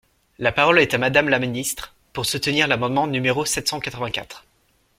La parole est à Madame la ministre, pour soutenir l’amendement numéro sept cent quatre-vingt-quatre.